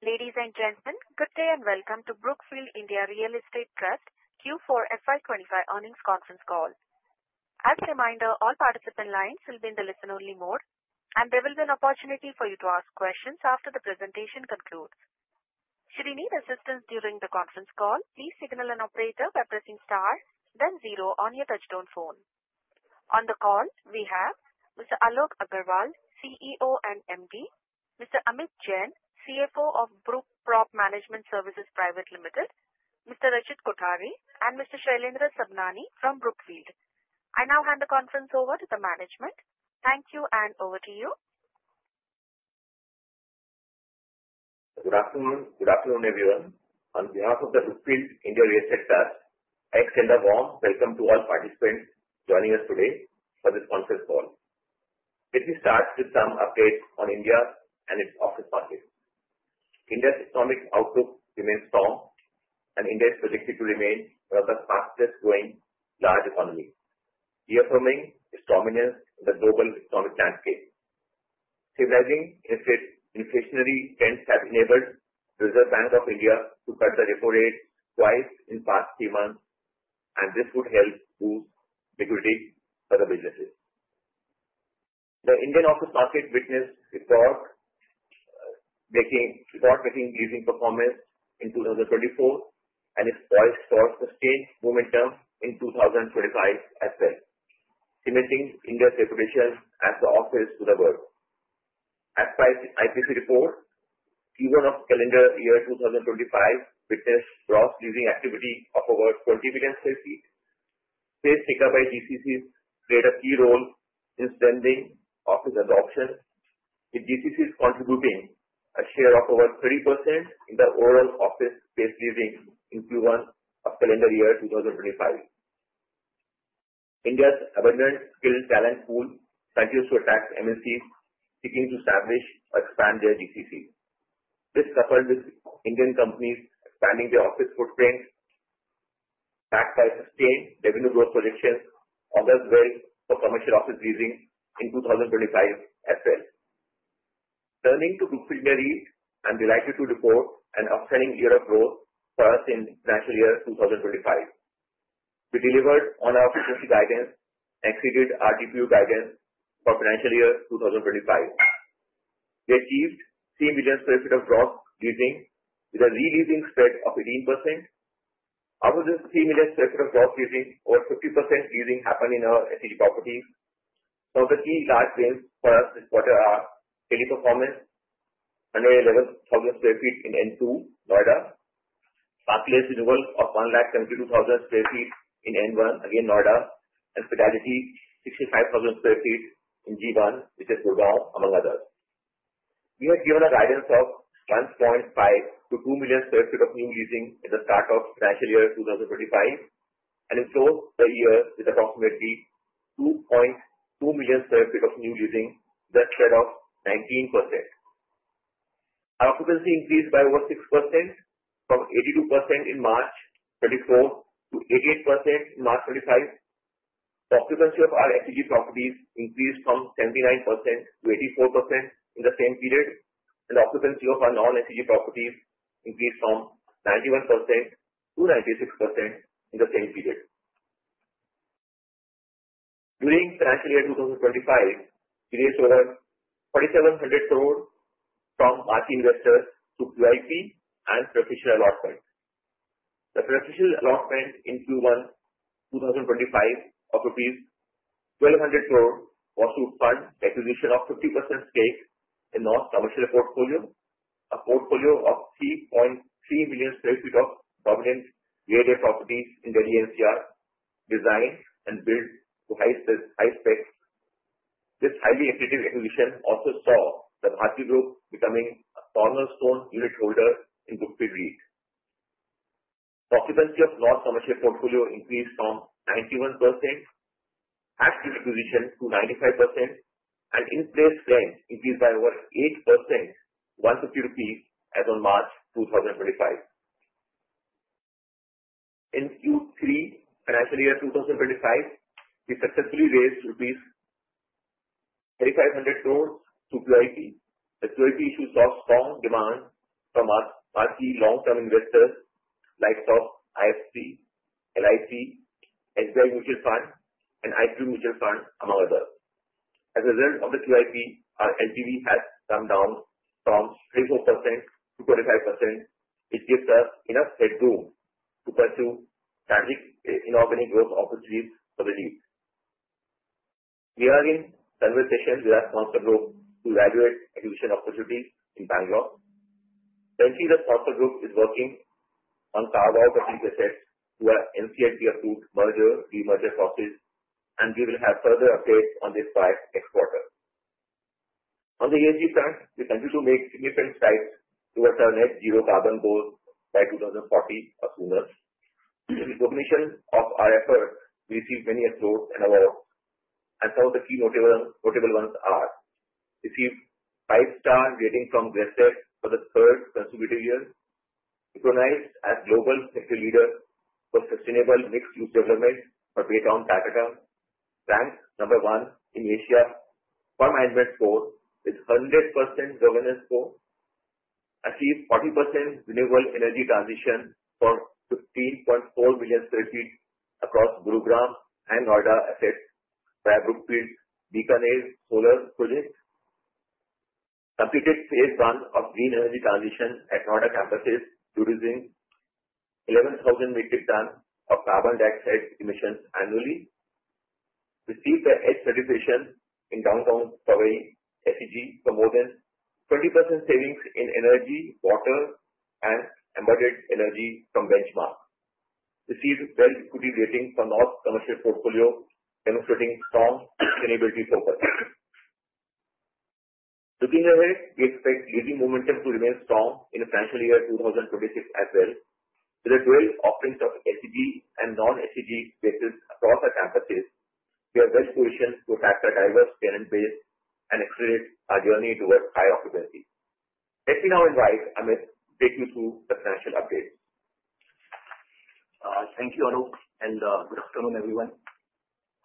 Ladies and gentlemen, good day and welcome to Brookfield India Real Estate Trust Q4 FY25 earnings conference call. As a reminder, all participant lines will be in the listen-only mode, and there will be an opportunity for you to ask questions after the presentation concludes. Should you need assistance during the conference call, please signal an operator by pressing star, then zero on your touch-tone phone. On the call, we have Mr. Alok Agarwal, CEO and MD, Mr. Amit Jain, CFO of Brookprop Management Services Private Limited, Mr. Rachit Kothari, and Mr. Shailendra Sabhnani from Brookfield. I now hand the conference over to the management. Thank you, and over to you. Good afternoon, everyone. On behalf of the Brookfield India Real Estate Trust, I extend a warm welcome to all participants joining us today for this conference call. Let me start with some updates on India and its office market. India's economic outlook remains strong, and India is projected to remain one of the fastest-growing large economies, reaffirming its dominance in the global economic landscape. Stabilizing inflationary trends have enabled the Reserve Bank of India to cut the repo rate twice in the past three months, and this would help boost liquidity for the businesses. The Indian office market witnessed a record-breaking leasing performance in 2024 and it's poised for sustained momentum in 2025 as well, cementing India's reputation as the office to the world. As per IPC report, Q1 of calendar year 2025 witnessed gross leasing activity of over 20 million sq ft. Space taken by GCCs played a key role in strengthening office adoption, with GCCs contributing a share of over 30% in the overall office space leasing in Q1 of calendar year 2025. India's abundant skilled talent pool continues to attract MNCs seeking to establish or expand their GCCs. This coupled with Indian companies expanding their office footprint backed by sustained revenue growth projections on the wave of commercial office leasing in 2025 as well. Turning to Brookfield India Real Estate Trust, I'm delighted to report an outstanding year of growth for us in financial year 2025. We delivered on our efficiency guidance and exceeded our DPU guidance for financial year 2025. We achieved 3 million sq ft of gross leasing with a re-leasing spread of 18%. Out of this 3 million sq ft of gross leasing, over 50% leasing happened in our SEZ properties. Some of the key large gains for us this quarter are Teleperformance: 111,000 sq ft in N2, Noida; Park Place renewal of 172,000 sq ft in N1, again Noida; and Fidelity 65,000 sq ft in G1, which is Gurugram, among others. We have given a guidance of 1.5-2 million sq ft of new leasing at the start of financial year 2025, and we closed the year with approximately 2.2 million sq ft of new leasing, with a spread of 19%. Our occupancy increased by over 6% from 82% in March 2024 to 88% in March 2025. The occupancy of our SEZ properties increased from 79% to 84% in the same period, and the occupancy of our non-SEZ properties increased from 91% to 96% in the same period. During financial year 2025, we raised over INR 4,700 crore from market investors through QIP and preferential allotment. The preferential allotment in Q1 2025 of rupees 1,200 crore was to fund the acquisition of 50% stake in North Commercial Portfolio, a portfolio of 3.3 million sq ft of prominent real estate properties in Delhi NCR, designed and built to high specs. This highly innovative acquisition also saw the Bharti Enterprises becoming a cornerstone unit holder in Brookfield REIT. The occupancy of North Commercial Portfolio increased from 91% at re-acquisition to 95%, and in-place rent increased by over 8%, 150 rupees, as of March 2025. In Q3 financial year 2025, we successfully raised INR 3,500 crore through QIP. The QIP issue saw strong demand from market long-term investors like IFC, LIC, SBI Mutual Fund, and ICICI Prudential Mutual Fund, among others. As a result of the QIP, our LTV has come down from 24% to 25%, which gives us enough headroom to pursue strategic inorganic growth opportunities for the REIT. We are in conversation with our sponsor group to evaluate acquisition opportunities in Bangalore. Currently, the sponsor group is working on carve-out of these assets through our NCLT-approved merger-demerger process, and we will have further updates on this by next quarter. On the ESG front, we continue to make significant strides towards our net-zero carbon goals by 2040 or sooner. With the recognition of our efforts, we received many applause and awards, and some of the key notable ones are: received five-star rating from GRESB for the third consecutive year, recognized as global sector leader for sustainable mixed-use development for New Town, Kolkata, ranked number one in Asia for management score with 100% governance score, achieved 40% renewable energy transition for 15.4 million sq ft across Gurugram and Noida assets via Brookfield's Bikaner Solar Project, completed phase one of green energy transition at Noida campuses producing 11,000 metric tons of carbon dioxide emissions annually, received the EDGE certification in downtown Powai SEZ for more than 20% savings in energy, water, and embedded energy from benchmarks, received WELL Equity Rating for North Commercial Portfolio, demonstrating strong sustainability focus. Looking ahead, we expect leading momentum to remain strong in financial year 2026 as well. With the dual offerings of SEZ and non-SEZ spaces across our campuses, we are well-positioned to attract a diverse tenant base and accelerate our journey towards high occupancy. Let me now invite Amit to take you through the financial updates. Thank you, Anuj, and good afternoon, everyone.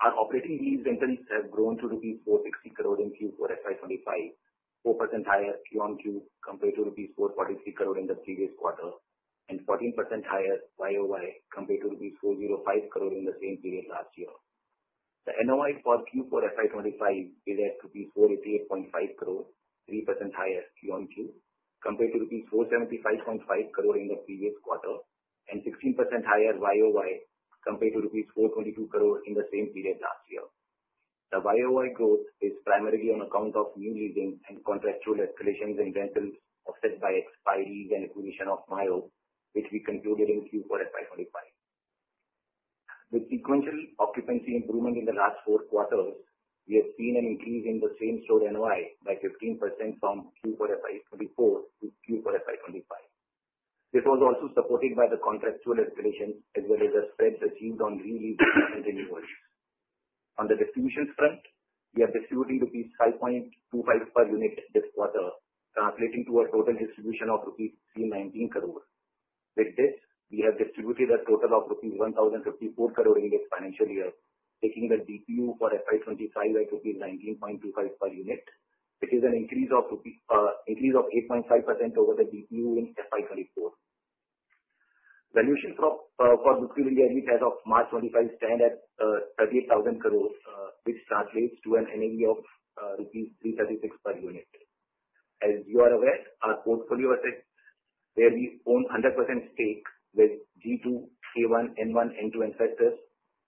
Our operating fees rentals have grown to rupees 460 crore in Q4 FY25, 4% higher QoQ compared to rupees 443 crore in the previous quarter, and 14% higher YOY compared to rupees 405 crore in the same period last year. The NOI for Q4 FY25 is at rupees 488.5 crore, 3% higher QoQ compared to rupees 475.5 crore in the previous quarter, and 16% higher YOY compared to rupees 422 crore in the same period last year. The YOY growth is primarily on account of new leasing and contractual escalations in rentals offset by expiries and acquisition of MIO, which we concluded in Q4 FY25. With sequential occupancy improvement in the last four quarters, we have seen an increase in the same-store NOI by 15% from Q4 FY24 to Q4 FY25. This was also supported by the contractual escalations as well as the spreads achieved on re-leases and renewals. On the distributions front, we are distributing rupees 5.25 per unit this quarter, translating to a total distribution of rupees 1,019 crore. With this, we have distributed a total of rupees 1,054 crore in this financial year, taking the DPU for FY 2025 at rupees 19.25 per unit, which is an increase of 8.5% over the DPU in FY 2024. Valuation for Brookfield India REIT as of March 2025 stands at 38,000 crore, which translates to an NAV of rupees 336 per unit. As you are aware, our portfolio assets where we own 100% stake with G2, K1, N1, N2 investors,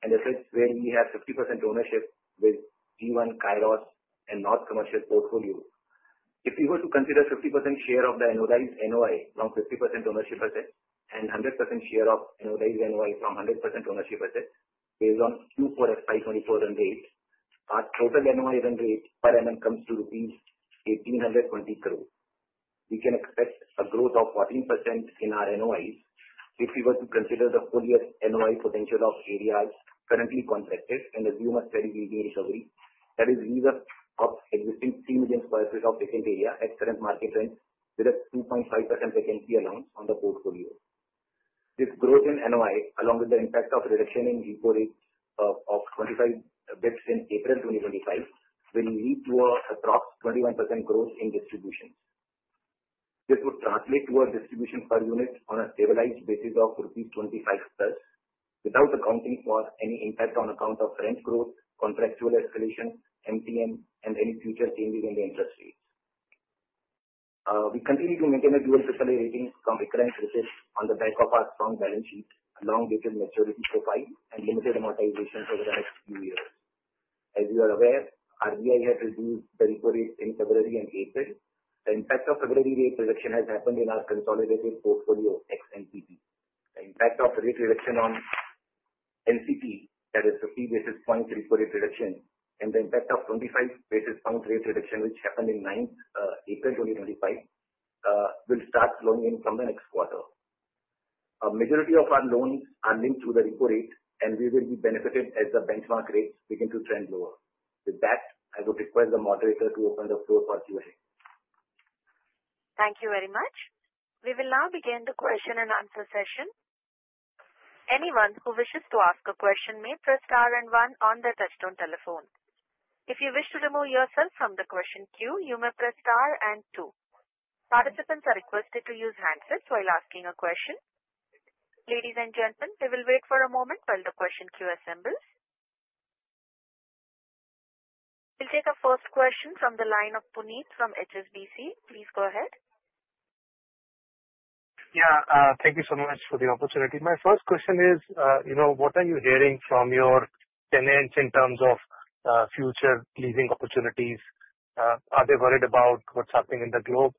and assets where we have 50% ownership with G1, Kairos, and North Commercial portfolios. If we were to consider 50% share of the annualized NOI from 50% ownership assets and 100% share of annualized NOI from 100% ownership assets based on Q4 FY24 rent rate, our total NOI rent rate per annum comes to rupees 1,820 crore. We can expect a growth of 14% in our NOIs if we were to consider the full year NOI potential of areas currently contracted and assume a steady leasing recovery, that is, lease of existing 3 million sq ft of vacant area at current market rent with a 2.5% vacancy allowance on the portfolio. This growth in NOI, along with the impact of reduction in repo rates of 25 basis points in April 2025, will lead to an approximate 21% growth in distributions. This would translate to a distribution per unit on a stabilized basis of 25+, without accounting for any impact on account of rent growth, contractual escalation, MTM, and any future changes in the interest rates. We continue to maintain a dual investment grade rating from rating agencies on the back of our strong balance sheet, long-dated maturity profile, and limited amortization over the next few years. As you are aware, RBI has reduced the repo rate in February and April. The impact of February rate reduction has happened in our consolidated portfolio, NCP. The impact of rate reduction on NCP, that is, 50 basis points repo rate reduction, and the impact of 25 basis points rate reduction, which happened on April 2025, will start showing in from the next quarter. A majority of our loans are linked to the repo rate, and we will be benefited as the benchmark rates begin to trend lower. With that, I would request the moderator to open the floor for Q&A. Thank you very much. We will now begin the question and answer session. Anyone who wishes to ask a question may press star and one on the touch-tone telephone. If you wish to remove yourself from the question queue, you may press star and two. Participants are requested to use handsets while asking a question. Ladies and gentlemen, we will wait for a moment while the question queue assembles. We'll take a first question from the line of Puneet from HSBC. Please go ahead. Yeah, thank you so much for the opportunity. My first question is, you know, what are you hearing from your tenants in terms of future leasing opportunities? Are they worried about what's happening in the globe?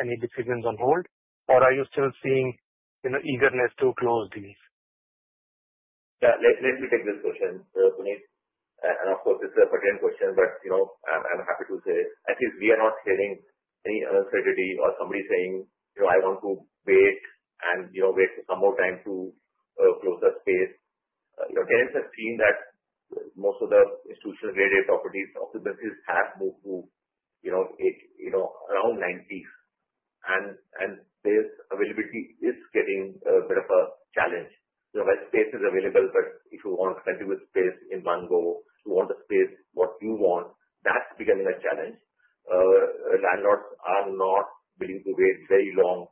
Any decisions on hold? Or are you still seeing, you know, eagerness to close deals? Yeah, let me take this question, Puneet. And of course, this is a pertinent question, but, you know, I'm happy to say, at least we are not hearing any uncertainty or somebody saying, you know, I want to wait and, you know, wait for some more time to close the space. You know, tenants have seen that most of the institutional real estate properties' occupancies have moved to, you know, around 90s. And this availability is getting a bit of a challenge. You know, where space is available, but if you want contiguous space in one go, you want the space what you want, that's becoming a challenge. Landlords are not willing to wait very long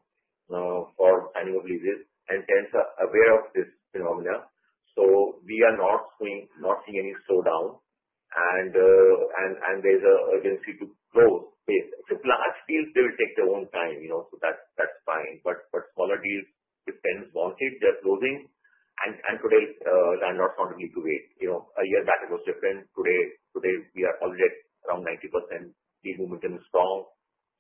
for signing of leases, and tenants are aware of this phenomenon. So we are not seeing any slowdown, and there's an urgency to close space. It's a large deal. They will take their own time, you know, so that's fine. But smaller deals, if tenants want it, they're closing. And today, landlords aren't willing to wait. You know, a year back, it was different. Today, we are already at around 90%. The momentum is strong.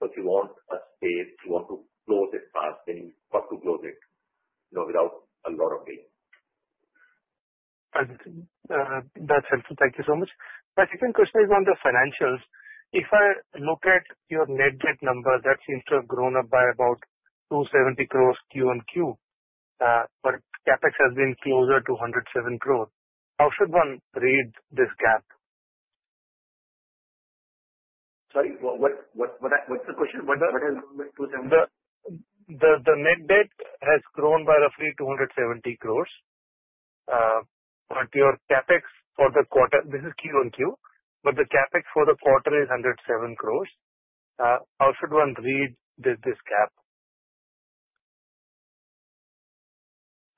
So if you want a space, you want to close it fast, then you've got to close it, you know, without a lot of delay. That's helpful. Thank you so much. My second question is on the financials. If I look at your net debt number, that seems to have grown up by about 270 crores QoQ, but CapEx has been closer to 107 crores. How should one read this gap? Sorry, what's the question? What has grown by 270? The net debt has grown by roughly 270 crores. But your CapEx for the quarter, this is QoQ, but the CapEx for the quarter is 107 crores. How should one read this gap?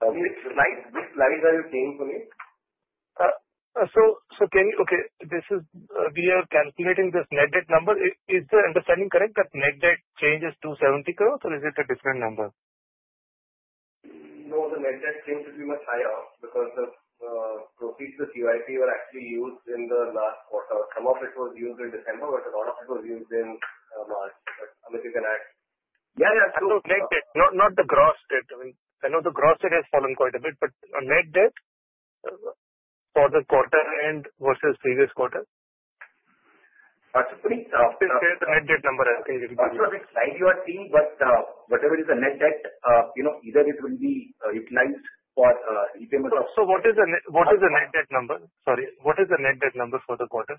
Which slides are you saying, Puneet? We are calculating this net debt number. Is the understanding correct that net debt changes to 70 crores, or is it a different number? No, the net debt seems to be much higher because of the proceeds the QIP were actually used in the last quarter. Some of it was used in December, but a lot of it was used in March. But Amit, you can add. Yeah, yeah. I know net debt, not the gross debt. I know the gross debt has fallen quite a bit, but net debt for the quarter end versus previous quarter? Please share the net debt number. I think it will be useful. So the slide you are seeing, but whatever is the net debt, you know, either it will be utilized for repayment of. So what is the net debt number? Sorry, what is the net debt number for the quarter?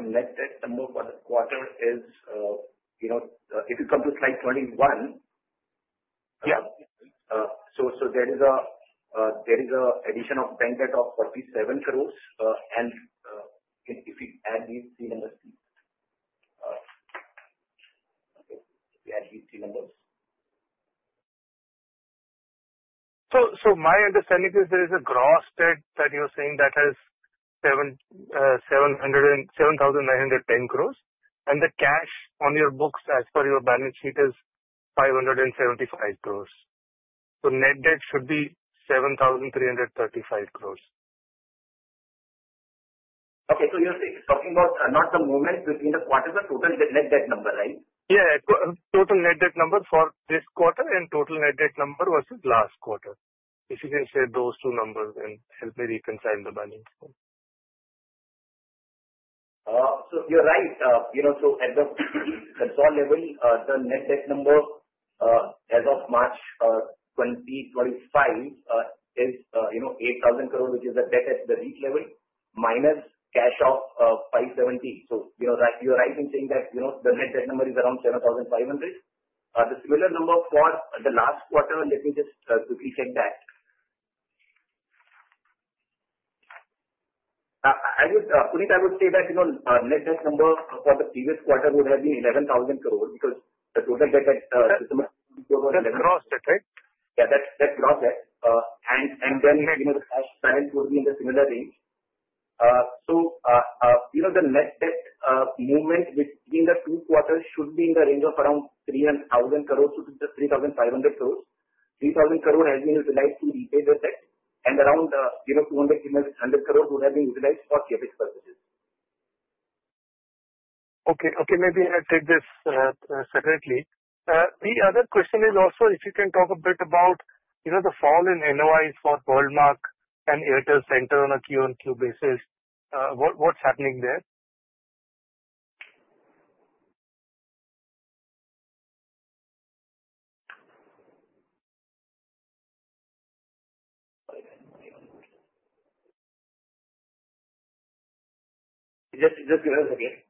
Net debt number for the quarter is, you know, if you come to slide 21. Yeah. So there is an addition of bank debt of 47 crores, and if you add these three numbers, please. Okay, if you add these three numbers. So my understanding is there is a gross debt that you're saying that has 7,910 crores, and the cash on your books as per your balance sheet is 575 crores. So net debt should be 7,335 crores. Okay, so you're talking about not the moment between the quarters, but total net debt number, right? Yeah, total net debt number for this quarter and total net debt number versus last quarter. If you can share those two numbers and help me reconcile the balance. So you're right. You know, so at the consolidated level, the net debt number as of March 2025 is, you know, 8,000 crores, which is a debt at the REIT level, minus cash of 570 crores. So, you know, you're right in saying that, you know, the net debt number is around 7,500 crores. The similar number for the last quarter, let me just quickly check that. Puneet, I would say that, you know, net debt number for the previous quarter would have been 11,000 crores because the total debt at December 2024 was INR 11,000 crores. That's gross debt, right? Yeah, that's gross debt. And then, you know, the cash balance would be in the similar range. So, you know, the net debt movement between the two quarters should be in the range of around 3,000 crores to 3,500 crores. 3,000 crores has been utilized to repay the debt, and around 200 crores would have been utilized for CapEx purposes. Okay, okay, maybe I'll take this separately. The other question is also, if you can talk a bit about, you know, the fall in NOIs for Worldmark and Airtel Center on a QoQ basis, what's happening there? Just give us, okay,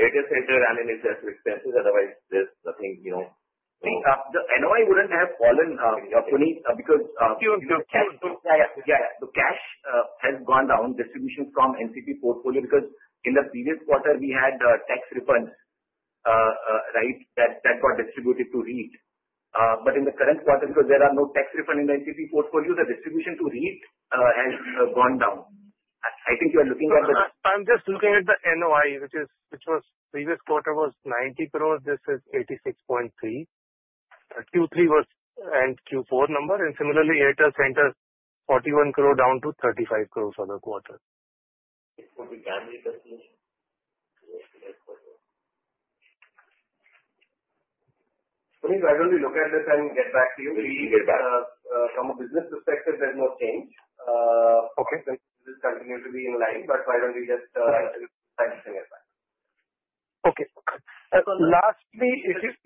Airtel Center and EHS expenses. Otherwise, there's nothing, you know. The NOI wouldn't have fallen, Puneet, because. Yeah, yeah, the cash has gone down, distribution from NCP portfolio, because in the previous quarter, we had tax refunds, right, that got distributed to REIT. But in the current quarter, because there are no tax refunds in the NCP portfolio, the distribution to REIT has gone down. I think you are looking at the. I'm just looking at the NOI, which was previous quarter was 90 crores. This is 86.3 crores. Q3 was end Q4 number, and similarly, Airtel Center 41 crore down to 35 crores for the quarter. It would be damaged at the end of the quarter. Puneet, why don't we look at this and get back to you? We should get back. From a business perspective, there's no change. Okay. This will continue to be in line, but why don't we just sign this thing as well? Okay. Lastly,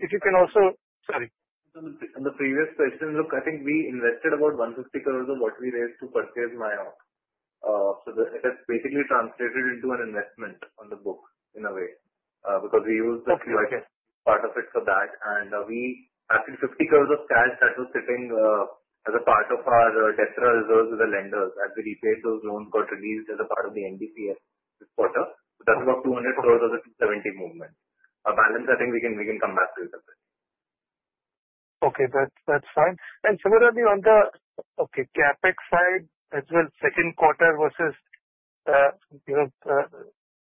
if you can also, sorry. On the previous question, look, I think we invested about 150 crores of what we raised to purchase. So that's basically translated into an investment on the books in a way, because we used the QIP part of it for that. And we had 50 crores of cash that was sitting as a part of our DSRA with the lenders as we repaid those loans, got released as a part of the DSRA this quarter. So that's about 200 crores of the 270 movement. Balance, I think we can come back to it a bit. Okay, that's fine. And similarly, on the CapEx side as well, second quarter versus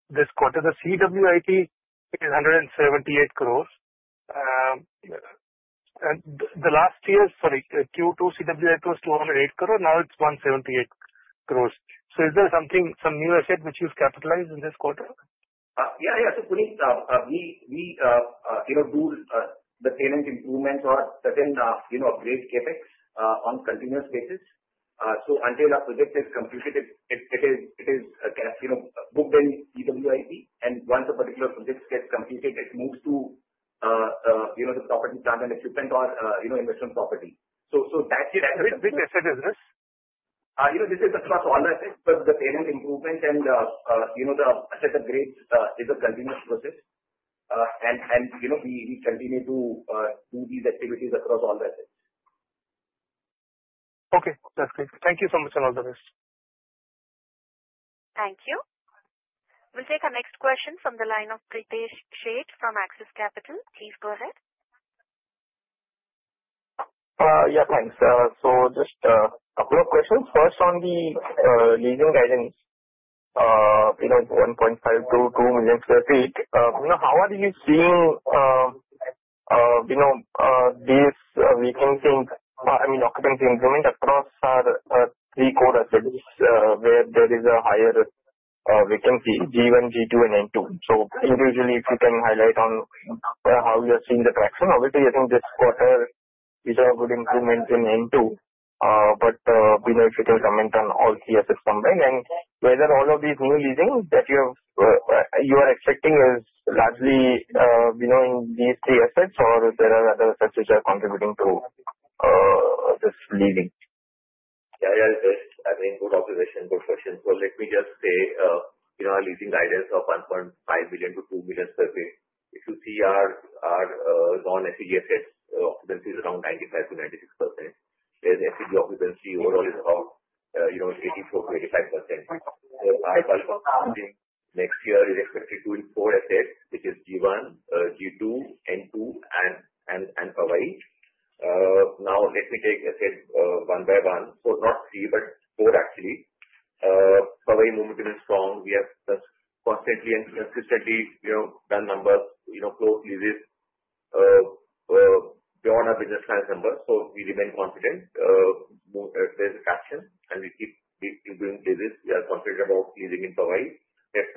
this quarter, the CWIP is 178 crores. And the last year, sorry, Q2 CWIP was 208 crores. Now it's 178 crores. So is there something, some new asset which you've capitalized in this quarter? Yeah, yeah. So Puneet, we do the tenant improvements or certain, you know, upgrade CapEx on a continuous basis. So until a project is completed, it is booked in CWIP, and once a particular project gets completed, it moves to, you know, the property, plant and equipment or, you know, investment property. So that's it. Which asset is this? You know, this is across all the assets, but the tenant improvement and, you know, the asset upgrades is a continuous process, and, you know, we continue to do these activities across all the assets. Okay, that's great. Thank you so much for all the rest. Thank you. We'll take our next question from the line of Pritesh Sheth from Axis Capital. Please go ahead. Yeah, thanks. So just a couple of questions. First, on the leasing guidance, you know, 1.5-2 million sq ft, you know, how are you seeing, you know, these vacancy, I mean, occupancy improvement across our three core assets where there is a higher vacancy: G1, G2, and N2? So individually, if you can highlight on how you're seeing the traction. Obviously, I think this quarter, these are good improvements in N2, but, you know, if you can comment on all three assets combined and whether all of these new leasing that you are expecting is largely, you know, in these three assets, or there are other assets which are contributing to this leasing. Yeah, yeah, it is. I mean, good observation, good question. So let me just say, you know, our leasing guidance of 1.5 million-2 million sq ft. If you see our non-SEZ assets, occupancy is around 95%-96%. There's SEZ occupancy overall is about, you know, 84%-85%. So our bulk of leasing next year is expected to include four assets, which are G1, G2, N2, and Powai. Now, let me take assets one by one. So not three, but four actually. Powai movement is strong. We have just constantly and consistently, you know, done numbers, you know, close leases beyond our business clients' numbers. So we remain confident. There's a traction, and we keep doing leases. We are confident about leasing in Powai. Let's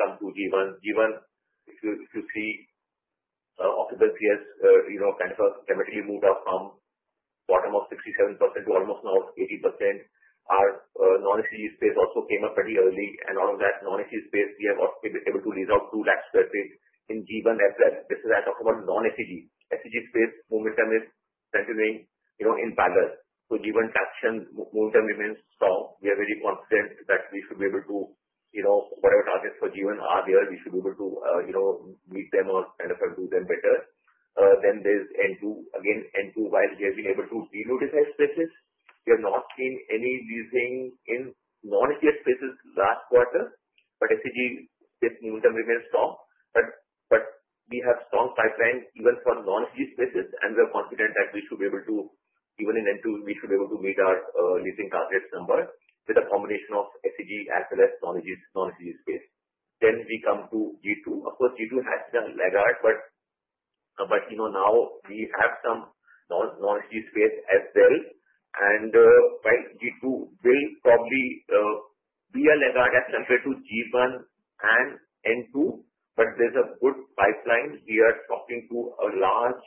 but there's a good pipeline. We are talking to a large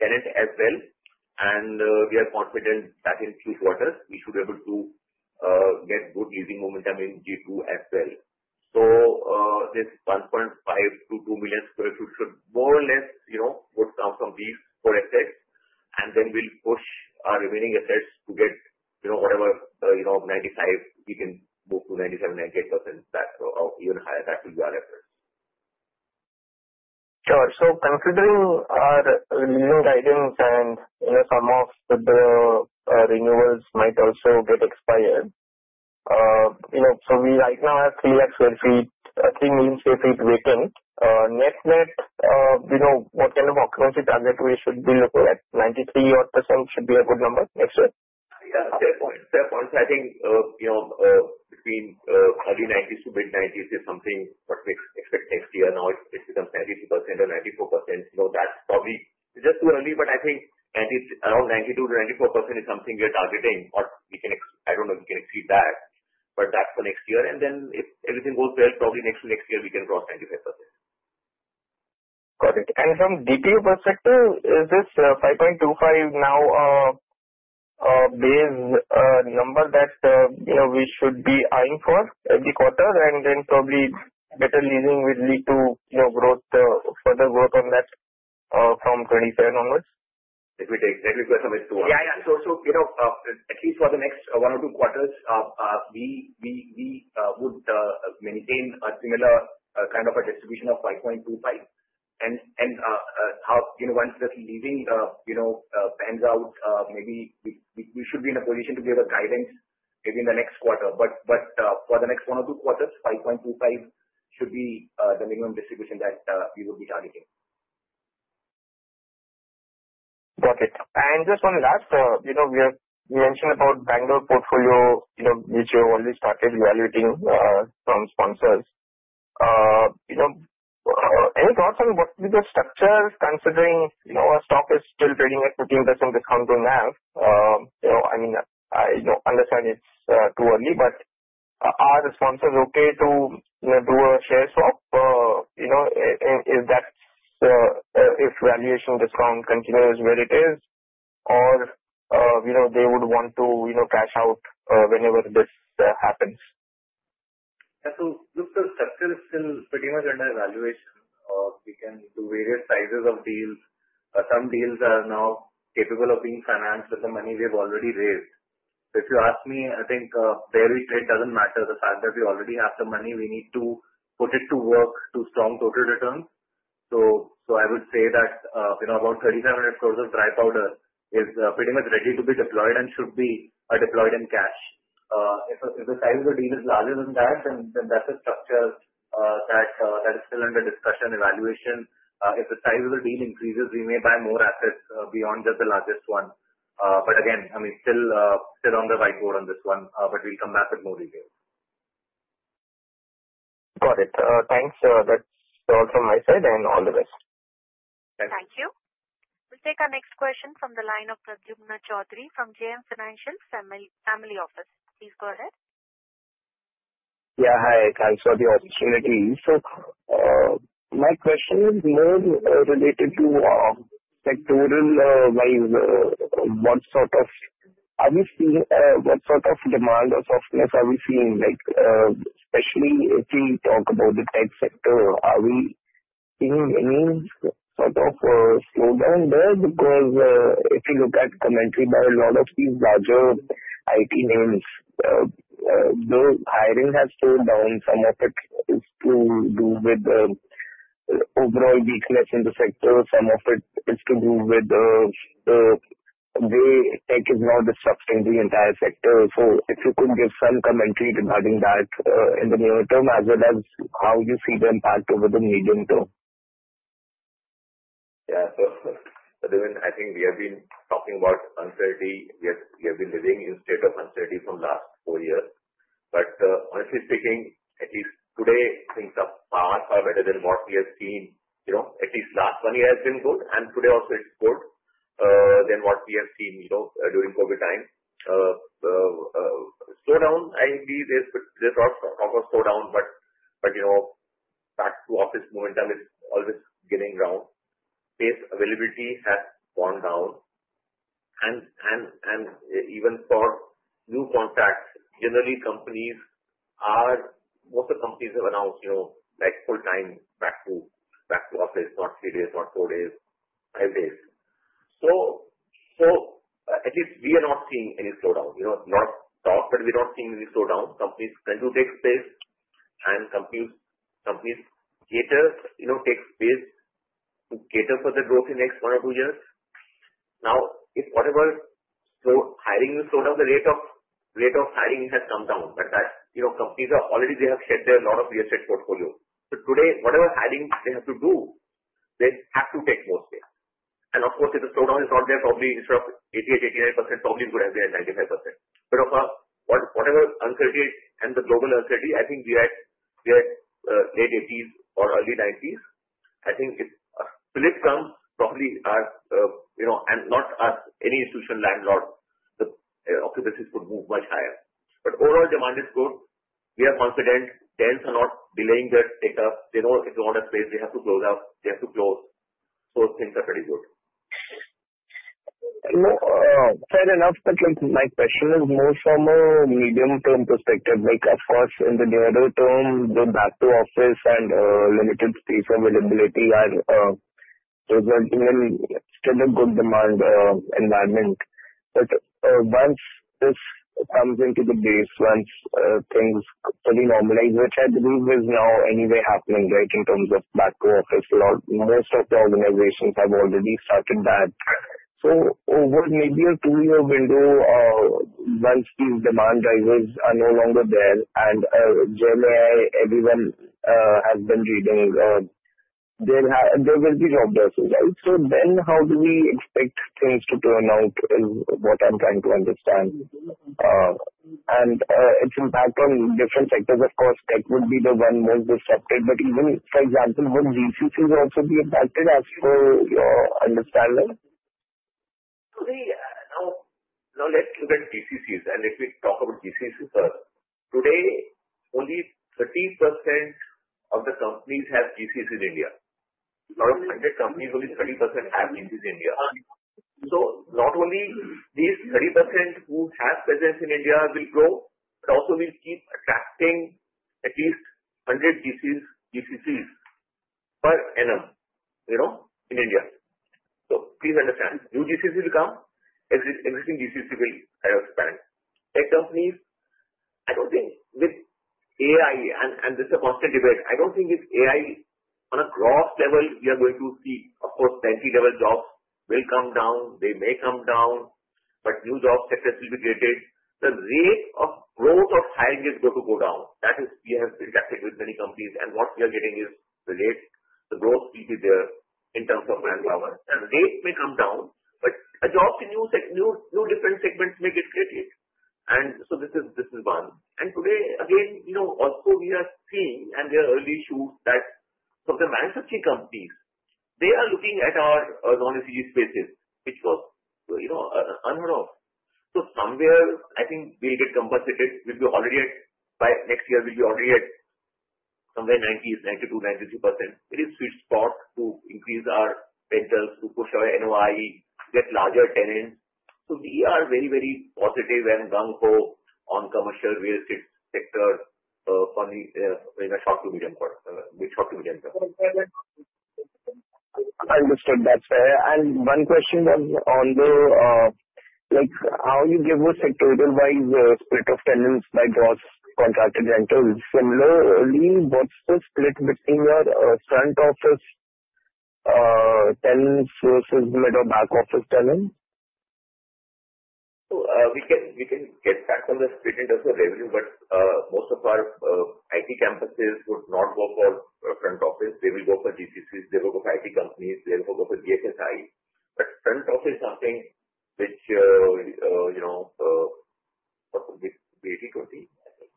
tenant as well, and we are confident that in a few quarters, we should be able to get good leasing momentum in G2 as well. So this 1.5-2 million sq ft should more or less, you know, would come from these four assets, and then we'll push our remaining assets to get, you know, whatever, you know, 95. We can move to 97%-98%, even higher. That will be our efforts. Sure. So considering our leasing guidance and, you know, some of the renewals might also get expired, you know, so we right now have 3 million sq ft, 3 million sq ft vacant. Net net, you know, what kind of occupancy target we should be looking at, 93%-odd should be a good number next year? Yeah, fair point. Fair point. I think, you know, between early 90s to mid 90s is something what we expect next year. Now it becomes 92% or 94%. You know, that's probably just too early, but I think around 92%-94% is something we are targeting, or we can, I don't know if we can exceed that, but that's for next year. And then if everything goes well, probably next to next year we can cross 95%. Got it. And from DPU perspective, is this 5.25 now a base number that, you know, we should be eyeing for every quarter? And then probably better leasing will lead to, you know, growth, further growth on that from 27 onwards? Let me take that. Let me go somewhere too. Yeah, yeah. So, you know, at least for the next one or two quarters, we would maintain a similar kind of a distribution of 5.25. And how, you know, once this leasing, you know, pans out, maybe we should be in a position to give a guidance maybe in the next quarter. But for the next one or two quarters, 5.25 should be the minimum distribution that we would be targeting. Got it. And just one last, you know, we mentioned about Bangalore portfolio, you know, which you already started evaluating from sponsors. You know, any thoughts on what we could structure considering, you know, our stock is still trading at 15% discount to NAV? You know, I mean, I understand it's too early, but are the sponsors okay to, you know, do a share swap? You know, is that if valuation discount continues where it is, or, you know, they would want to, you know, cash out whenever this happens? Yeah, so look, the structure is still pretty much under evaluation. We can do various sizes of deals. Some deals are now capable of being financed with the money we've already raised. If you ask me, I think where we trade doesn't matter. The fact that we already have the money, we need to put it to work to strong total returns. So I would say that, you know, about 3,500 crores of dry powder is pretty much ready to be deployed and should be deployed in cash. If the size of the deal is larger than that, then that's a structure that is still under discussion, evaluation. If the size of the deal increases, we may buy more assets beyond just the largest one. But again, I mean, still on the whiteboard on this one, but we'll come back with more details. Got it. Thanks. That's all from my side and all the best. Thanks. Thank you. We'll take our next question from the line of Pradyumna Choudhary from JM Financial Family Office. Please go ahead. Yeah, hi. Thanks for the opportunity. So my question is more related to sectoral-wise, what sort of, are we seeing what sort of demand or softness are we seeing? Like, especially if we talk about the tech sector, are we seeing any sort of slowdown there? Because if you look at commentary by a lot of these larger IT names, the hiring has slowed down. Some of it is to do with the overall weakness in the sector. Some of it is to do with the way tech is now disrupting the entire sector. So if you could give some commentary regarding that in the near term, as well as how you see the impact over the medium term. Yeah, so I think we have been talking about uncertainty. We have been living in a state of uncertainty for the last four years. But honestly speaking, at least today, things are far better than what we have seen. You know, at least last one year has been good, and today also it's good than what we have seen, you know, during COVID time. Slowdown, I think there's a lot of slowdown, but, you know, back to office momentum is always getting around. Space availability has gone down. And even for new contracts, generally companies are, most of the companies have announced, you know, like full-time back to office, not three days, not four days, five days. So at least we are not seeing any slowdown. You know, it's not stock, but we're not seeing any slowdown. Companies tend to take space, and companies cater, you know, take space to cater for the growth in the next one or two years. Now, if whatever slow hiring slowdown, the rate of hiring has come down, but that, you know, companies are already, they have shed their lot of real estate portfolio. So today, whatever hiring they have to do, they have to take more space. And of course, if the slowdown is not there, probably instead of 88%-89%, probably it would have been at 95%. But of whatever uncertainty and the global uncertainty, I think we are late 80s or early 90s. I think if a split comes, probably our, you know, and not us, any institution, landlord, the occupancies could move much higher. But overall demand is good. We are confident. Tenants are not delaying their take-up. They know if you want a space, they have to close out. They have to close. So things are pretty good. You know, fair enough, but like my question is more from a medium-term perspective. Like, of course, in the nearer term, the back to office and limited space availability are resulting in still a good demand environment. But once this comes into the base, once things fully normalize, which I believe is now anyway happening, right, in terms of back to office, most of the organizations have already started that. So over maybe a two-year window, once these demand drivers are no longer there and AI, everyone has been reading, there will be job deficit, right? So then how do we expect things to turn out is what I'm trying to understand. And its impact on different sectors, of course, tech would be the one most disrupted. But even, for example, would GCCs also be impacted, as per your understanding? No, let's look at GCCs. If we talk about GCCs, today, only 30% of the companies have GCCs in India. Out of 100 companies, only 30% have GCCs in India. Not only these 30% who have presence in India will grow, but also we'll keep attracting at least 100 GCCs per annum, you know, in India. Please understand, new GCCs will come. Existing GCCs will expand. Tech companies, I don't think with AI, and this is a constant debate, I don't think with AI on a gross level, we are going to see, of course, 90-level jobs will come down. They may come down, but new job sectors will be created. The rate of growth of hiring is going to go down. That is, we have interacted with many companies, and what we are getting is the rate, the growth will be there in terms of manpower. The rate may come down, but jobs in new different segments may get created. And so this is one. And today, again, you know, also we are seeing, and there are early shoots that for the manufacturing companies, they are looking at our non-SEZ spaces, which was, you know, unheard of. So somewhere, I think we'll get compensated. We'll be already at, by next year, we'll be already at somewhere 90s, 92, 93%. It is a sweet spot to increase our rentals, to push our NOI, get larger tenants. So we are very, very positive and gung ho on commercial real estate sector in a short to medium term. I understood that, sir. And one question was on the, like, how you give a sectoral-wise split of tenants by gross contracted rentals. Similarly, what's the split between your front office tenants versus middle back office tenants? We can get back on the split in terms of revenue, but most of our IT campuses would not go for front office. They will go for GCCs. They will go for IT companies. They will go for BFSI. But front office is something which, you know, what would be 80/20, I think.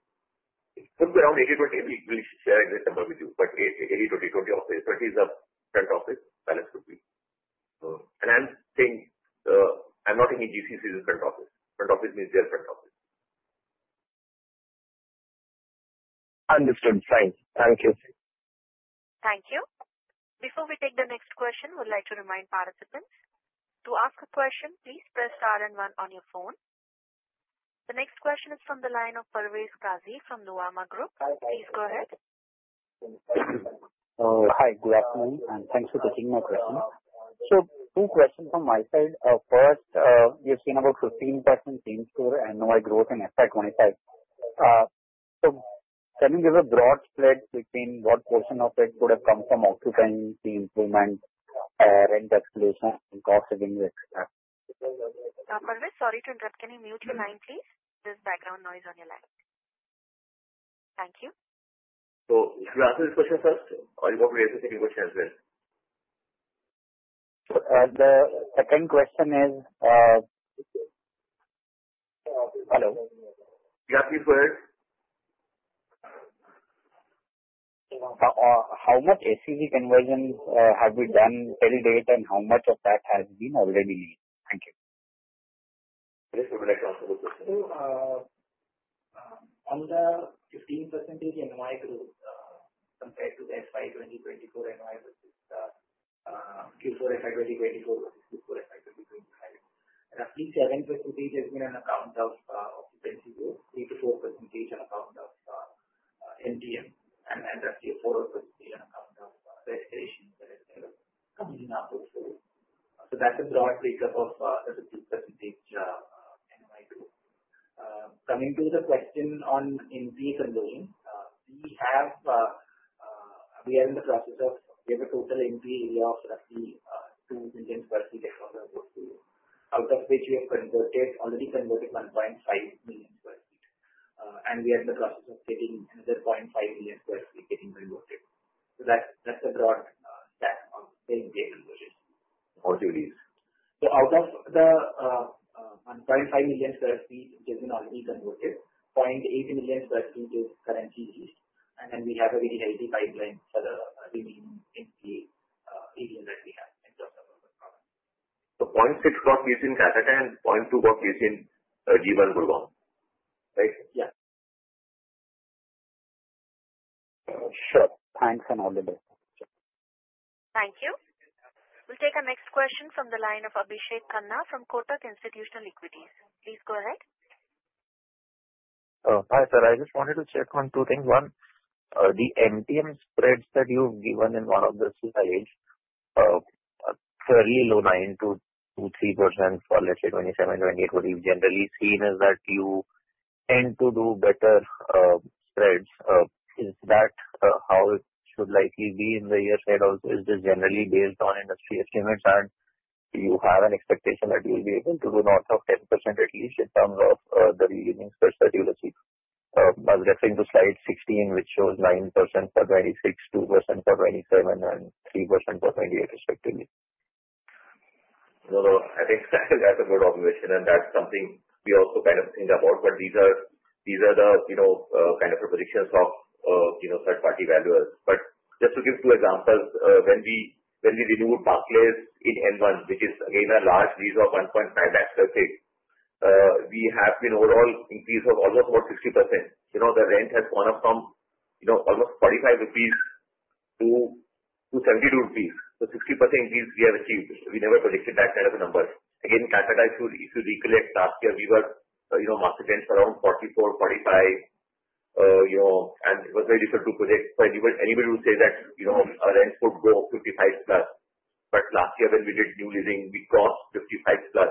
It could be around 80/20. We'll share the number with you. But 80/20, 20/20 is a front office balance could be. And I'm saying I'm not thinking GCCs in front office. Front office means their front office. Understood. Thanks. Thank you. Thank you. Before we take the next question, we'd like to remind participants to ask a question. Please press star and one on your phone. The next question is from the line of Parvez Qazi from the Nuvama Group. Please go ahead. Hi, good afternoon, and thanks for taking my question. So two questions from my side. First, we have seen about 15% change to the NOI growth in FY25. So tell me there's a broad spread between what portion of it could have come from occupying, the improvement, rent escalation, cost savings, etc. Parvez, sorry to interrupt. Can you mute your line, please? There's background noise on your line. Thank you. So should we answer this question first, or you want me to answer the second question as well? The second question is, hello. Yeah, please go ahead. How much SEZ conversions have we done till date, and how much of that has been already made? Thank you. This is from the next one also. So under 15% is the NOI growth compared to the FY2024 NOI versus Q4 FY2024 versus Q4 FY2025. Roughly 7% has been on account of occupancy growth, 3%-4% on account of MTM, and roughly 4% on account of restoration that has been coming in after the fall. So that's a broad breakup of the 15% NOI growth. Coming to the question on NP conversions, we are in the process of. We have a total NP area of roughly 2 million sq ft across our portfolio, out of which we have already converted 1.5 million sq ft. And we are in the process of getting another 0.5 million sq ft converted. So that's a broad stack of NP conversions. How much do you lease? Out of the 1.5 million sq ft which has been already converted, 0.8 million sq ft is currently leased. We have a leasability pipeline for the remaining NCP area that we have in terms of our product. 0.6 got leased in Calcutta and 0.2 got leased in G1 Gurgaon, right? Yeah. Sure. Thanks and all the best. Thank you. We'll take our next question from the line of Abhishek Khanna from Kotak Institutional Equities. Please go ahead. Hi, sir. I just wanted to check on two things. One, the MTM spreads that you've given in one of the slides, fairly low 9%-3% for, let's say, 2027, 2028, what we've generally seen is that you tend to do better spreads. Is that how it should likely be in the year ahead also? Is this generally based on industry estimates and you have an expectation that you'll be able to do north of 10% at least in terms of the rental spreads that you'll achieve? I was referring to slide 16, which shows 9% for 2026, 2% for 2027, and 3% for 2028, respectively. No, no, I think that's a good observation, and that's something we also kind of think about, but these are the, you know, kind of repositions of third-party valuers, but just to give two examples, when we renewed Park Place in N1, which is, again, a large lease of 1.5 lakh sq ft, we have been overall increased of almost about 60%. You know, the rent has gone up from, you know, almost 45-72 rupees. So 60% increase we have achieved. We never predicted that kind of a number. Again, Calcutta issue, if you recollect last year, we were, you know, market rents around 44, 45, you know, and it was very difficult to predict, but anybody would say that, you know, our rents could go up 55+, but last year, when we did new leasing, we got 55+.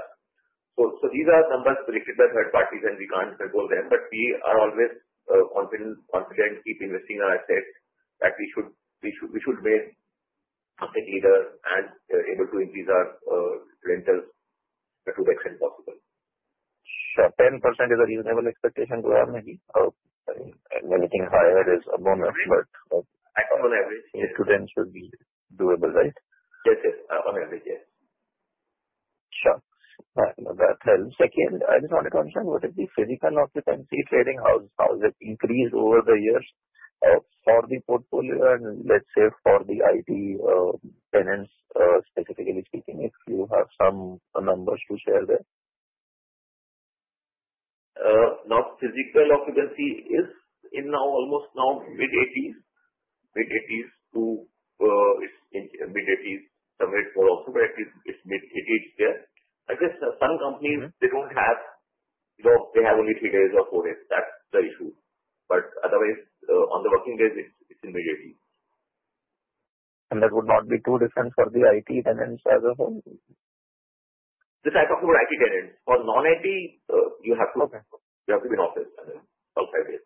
These are numbers predicted by third parties, and we can't control them. But we are always confident, keep investing in our assets that we should be market leader and able to increase our rentals to the extent possible. So 10% is a reasonable expectation, Gurgaon, maybe? Anything higher is a bonus, but. On average. 8 to 10 should be doable, right? Yes, yes. On average, yes. Sure. That helps. Second, I just wanted to understand, what is the physical occupancy rate? How has it increased over the years for the portfolio and, let's say, for the IT tenants, specifically speaking, if you have some numbers to share there? Now, physical occupancy is now almost in mid-80s. Mid-80s to mid-80s. Some rates go up to, but at least it's mid-80s there. I guess some companies, they don't have, you know, they have only three days or four days. That's the issue. But otherwise, on the working days, it's in mid-80s. That would not be too different for the IT tenants as a whole? As I talked about IT tenants. For non-IT, you have to be in office outside there.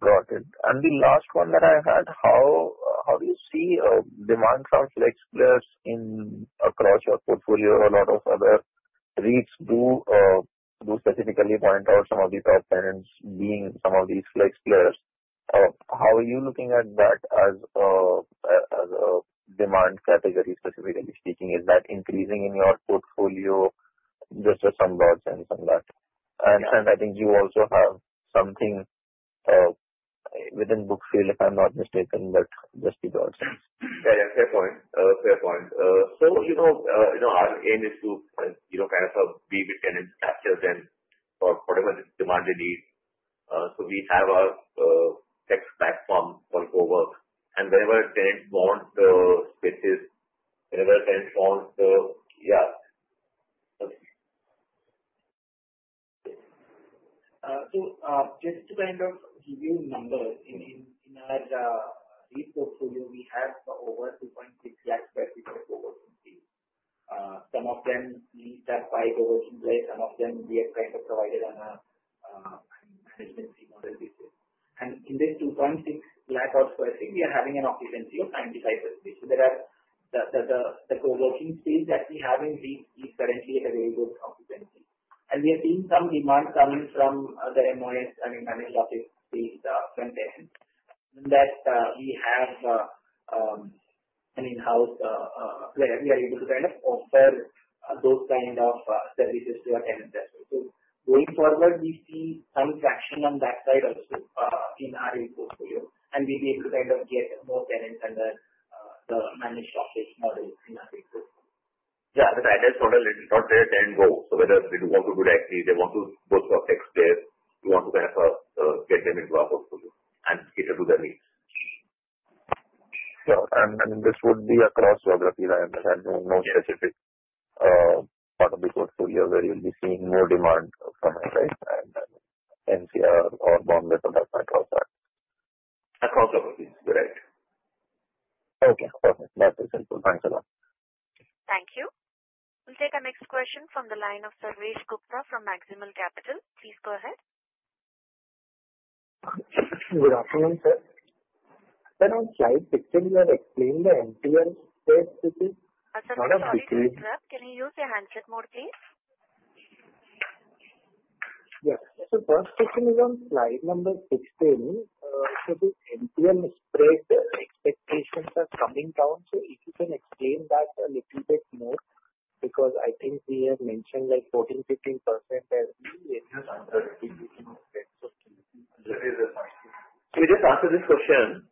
Got it. And the last one that I had, how do you see demand from flex players across your portfolio? A lot of other REITs do specifically point out some of these top tenants being some of these flex players. How are you looking at that as a demand category, specifically speaking? Is that increasing in your portfolio? Just some thoughts and some that. And I think you also have something within Brookfield, if I'm not mistaken, but just give your thoughts. Yeah, yeah. Fair point. Fair point. So, you know, you know, our aim is to, you know, kind of be with tenants after them for whatever demand they need. So we have a tech platform called COWRKS. And whenever a tenant wants the spaces, whenever a tenant wants the. Yeah. So just to kind of give you numbers, in our REIT portfolio, we have over 2.6 lakh sq ft of co-working space. Some of them lease that by co-working place. Some of them we have kind of provided on a management fee model basis. And in this 2.6 lakh sq ft, we are having an occupancy of 95%. So there are the co-working space that we have in REITs is currently at a very good occupancy. And we have seen some demand coming from the MOS, I mean, managed office space from tenants. And that we have an in-house where we are able to kind of offer those kind of services to our tenants. So going forward, we see some traction on that side also in our REIT portfolio. And we'll be able to kind of get more tenants under the managed office model in our REIT portfolio. Yeah, the tenants sort of not there then go. So whether they want to do the activity, they want to go to our tech space, we want to kind of get them into our portfolio and cater to their needs. Sure. And this would be across geography, right? I understand no specific part of the portfolio where you'll be seeing more demand from it, right? And NCR or Bombay portfolio across that? Across geographies, correct. Okay. Perfect. That is helpful. Thanks a lot. Thank you. We'll take our next question from the line of Sarvesh Gupta from Maximal Capital. Please go ahead. Good afternoon, sir. Sir, on slide 16, you have explained the MTM spreads. This is not a big lease. Sir, can you use your handset mode, please? Yes. So first question is on slide number 16. So the MTM spread expectations are coming down. So if you can explain that a little bit more because I think we have mentioned like 14%-15% as the. So, we just answered this question,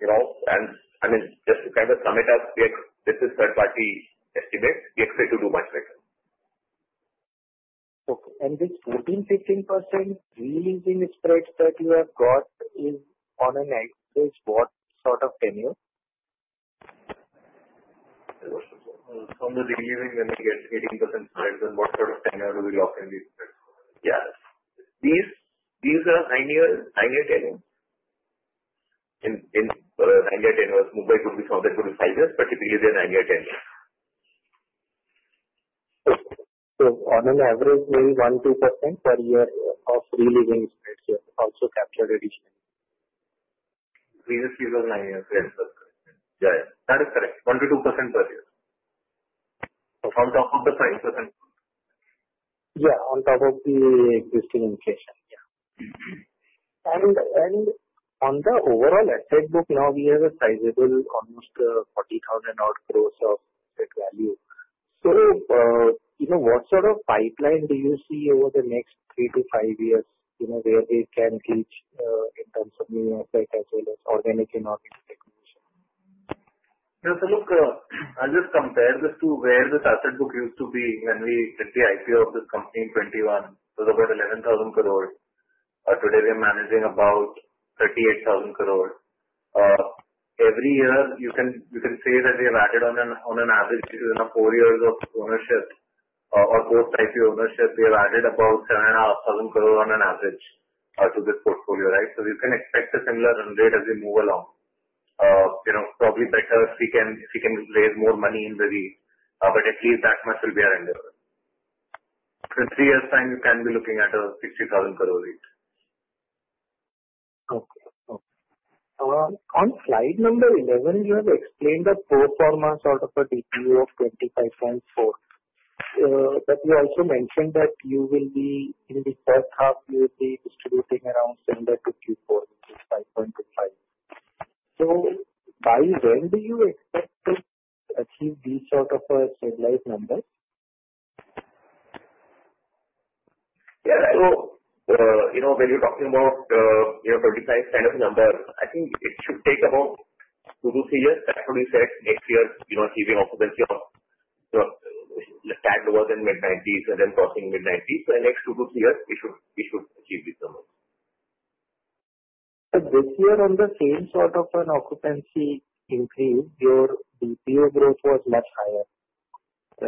you know, and I mean, just to kind of sum it up, we had this as third-party estimates. We expect to do much better. Okay, and this 14%-15% re-leasing spreads that you have got is on an average what sort of tenure? From the re-leasing, when we get 18% spreads, then what sort of tenure do we lock in these spreads? Yeah. These are nine-year tenures. In nine-year tenures, Mumbai could be found that could be five years, but typically they're nine-year tenures. So on an average, maybe 1%-2% per year of re-leasing spreads here also captured additionally? Previously it was nine years. Yes. That is correct. 1%-2% per year. So on top of the 5%? Yeah. On top of the existing inflation. Yeah. And on the overall asset book, now we have a sizable almost 40,000-odd gross asset value. So, you know, what sort of pipeline do you see over the next three to five years, you know, where we can reach in terms of new asset as well as organic and inorganic acquisition? Yeah. So look, I'll just compare this to where this asset book used to be when we did the IPO of this company in 2021. It was about 11,000 crore. Today we're managing about 38,000 crore. Every year you can say that we have added on an average in four years of ownership or both types of ownership, we have added about 7,500 crore on an average to this portfolio, right? So you can expect a similar run rate as we move along. You know, probably better if we can raise more money in the REIT, but at least that much will be our end result. In three years' time, you can be looking at a 60,000 crore REIT. Okay. On slide number 11, you have explained a pro forma sort of a DPU of 25.4. But you also mentioned that you will be in the first half, you will be distributing around similar to Q4, which is 5.25. So by when do you expect to achieve these sort of a stabilized numbers? Yeah. You know, when you're talking about, you know, 35 kind of numbers, I think it should take about two to three years. That's what we said next year, you know, achieving occupancy of, you know, the targets in mid-90s and then crossing mid-90s, so the next two to three years, we should achieve these numbers. This year on the same sort of an occupancy increase, your DPU growth was much higher,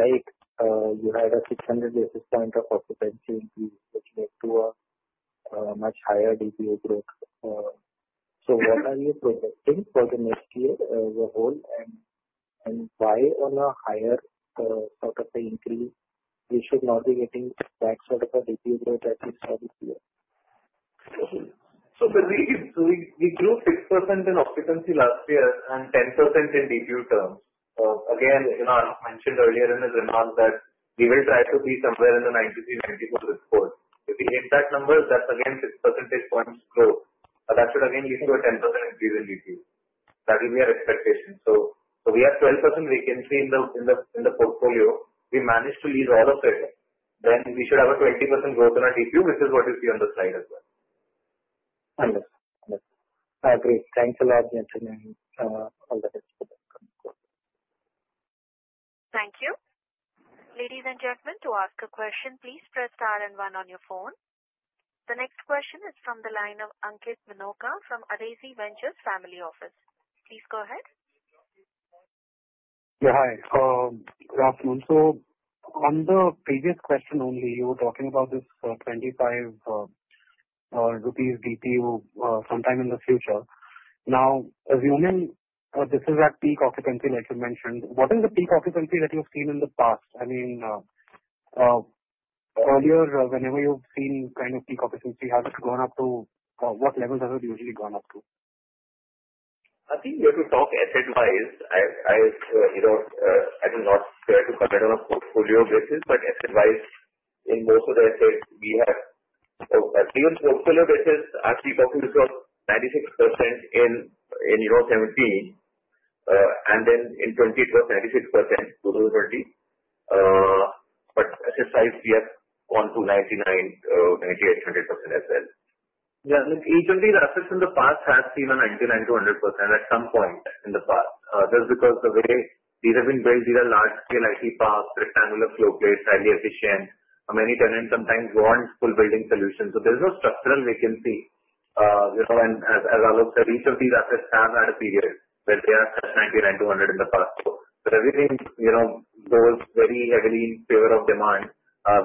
right? You had a 600 basis points of occupancy increase, which led to a much higher DPU growth. What are you projecting for the next year as a whole? And why on a higher sort of an increase? We should not be getting that sort of a DPU growth at least for this year. So we grew 6% in occupancy last year and 10% in DPU terms. Again, you know, I mentioned earlier in the remark that we will try to be somewhere in the 93-94 risk score. If we hit that number, that's again 6 percentage points growth. That should again lead to a 10% increase in DPU. That will be our expectation. So we have 12% vacancy in the portfolio. We managed to lease all of it. Then we should have a 20% growth in our DPU, which is what you see on the slide as well. Understood. Understood. I agree. Thanks a lot, Mr. for the explanation. Thank you. Ladies and gentlemen, to ask a question, please press star and one on your phone. The next question is from the line of Ankit Minocha from Adezi Ventures Family Office. Please go ahead. Yeah. Hi. Good afternoon. So on the previous question only, you were talking about this 25 rupees DPU sometime in the future. Now, assuming this is at peak occupancy like you mentioned, what is the peak occupancy that you've seen in the past? I mean, earlier, whenever you've seen kind of peak occupancy, has it gone up to what levels has it usually gone up to? I think we have to talk asset-wise. I, you know, I will not dare to comment on a portfolio basis, but asset-wise, in most of the assets, we have so at least on portfolio basis, actually talking to yourself, 96% in, you know, 2017. And then in 2020, it was 96%, 2020. But asset-wise, we have gone to 99%, 98%, 100% as well. Yeah. Look, each of these assets in the past has seen a 99%-100% at some point. In the past. Just because the way these have been built, these are large-scale IT parks, rectilinear floor plates, highly efficient. Many tenants sometimes want full building solutions. So there's no structural vacancy. You know, and as Alok said, each of these assets have had a period where they have touched 99%-100% in the past. So everything, you know, goes very heavily in favor of demand.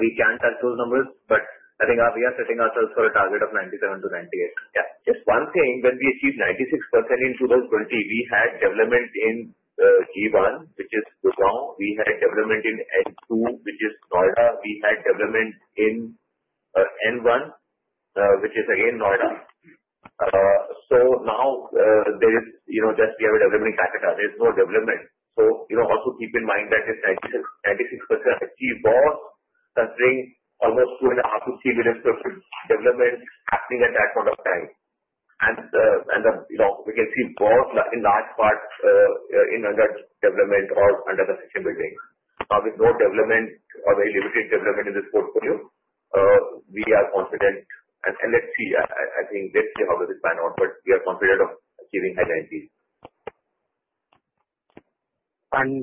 We can't touch those numbers, but I think we are setting ourselves for a target of 97%-98%. Yeah. Just one thing, when we achieved 96% in 2020, we had development in G1, which is Gurugram. We had development in N2, which is Noida. We had development in N1, which is again Noida. So now there is, you know, just we have a development in Kolkata. There's no development. So, you know, also keep in mind that this 96% achieved both considering almost 2.5-3 billion sq ft development happening at that point of time. And, you know, we can see both in large part in under development or under the second building. Now, with no development or very limited development in this portfolio, we are confident. And let's see. I think let's see how does it pan out, but we are confident of achieving high 90s. And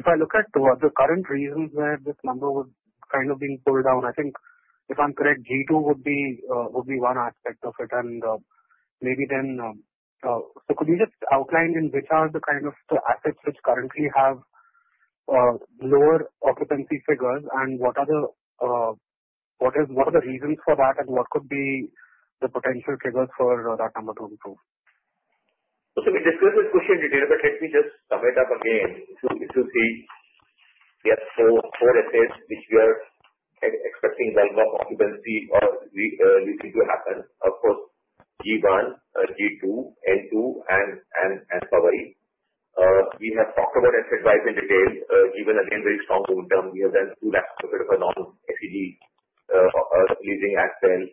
if I look at the current reasons where this number was kind of being pulled down, I think if I'm correct, G2 would be one aspect of it. And maybe then, so could you just outline in which are the kind of the assets which currently have lower occupancy figures and what are the reasons for that and what could be the potential triggers for that number to improve? So we discussed this question in detail, but let me just sum it up again. If you see, we have four assets which we are expecting bulk of occupancy or we seem to have them. Of course, G1, G2, N2, and Powai. We have talked about asset-wise in detail. G1 again, very strong long term. We have done two last quarters of a non-SEZ leasing as well.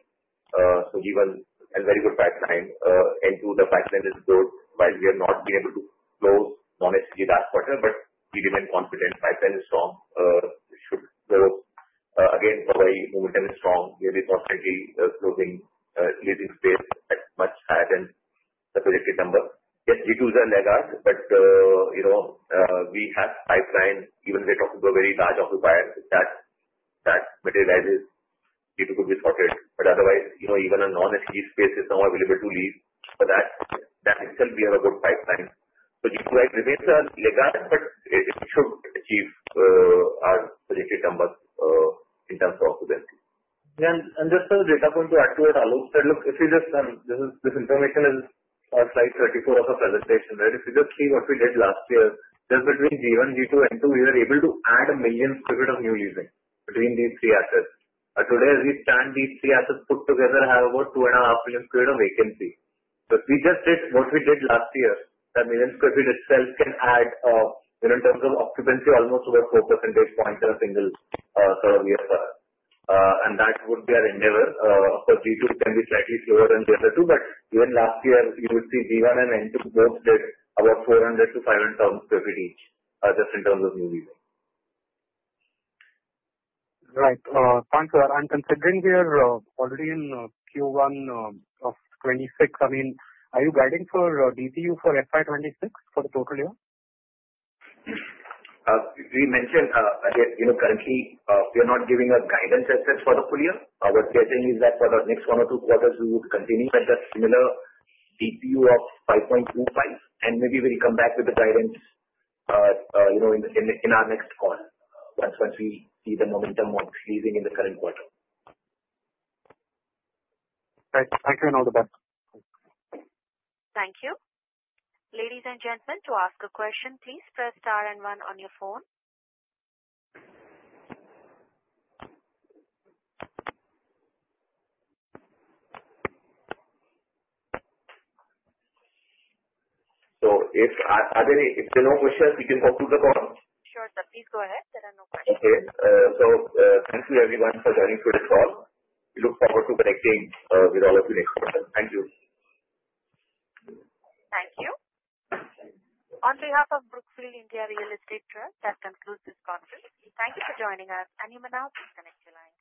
So G1 and very good pipeline. N2, the pipeline is good, but we have not been able to close non-SEZ last quarter, but we remain confident. Pipeline is strong. It should close. Again, Powai, momentum is strong. We are very confidently closing leasing space at much higher than the projected number. Yes, G2 is a laggard, but, you know, we have pipeline. Even if they talk about very large occupiers, that materializes. G2 could be sorted. But otherwise, you know, even a non-SEZ space is now available to lease. So that in itself, we have a good pipeline. So G2 remains a laggard, but it should achieve our projected number in terms of occupancy. Yeah. And just for the data point to add to what Alok said, look, if you just, and this information is on slide 34 of the presentation, right? If you just see what we did last year, just between G1, G2, N2, we were able to add a million sq ft of new leasing between these three assets. Today, as we stand, these three assets put together have about 2.5 million sq ft of vacancy. So if we just did what we did last year, that million sq ft itself can add, you know, in terms of occupancy, almost over 4 percentage points in a single sort of year for us. And that would be our endeavor. Of course, G2 can be slightly slower than the other two, but even last year, you would see G1 and N2 both did about 400-500,000 sq ft each, just in terms of new leasing. Right. Thanks, sir. And considering we are already in Q1 of 2026, I mean, are you guiding for DPU for FY26 for the total year? We mentioned again, you know, currently we are not giving guidance as yet for the full year. What we are saying is that for the next one or two quarters, we would continue at that similar DPU of 5.25, and maybe we'll come back with the guidance, you know, in our next call once we see the momentum on leasing in the current quarter. All right. Thank you and all the best. Thank you. Ladies and gentlemen, to ask a question, please press star and one on your phone. So, if there are no questions, we can talk to the call. Sure, sir. Please go ahead. There are no questions. Okay, so thank you everyone for joining through this call. We look forward to connecting with all of you next quarter. Thank you. Thank you. On behalf of Brookfield India Real Estate Trust, that concludes this conference. Thank you for joining us, and you may now disconnect your line.